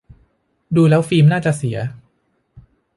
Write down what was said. ดูแล้วฟิล์มน่าจะเสีย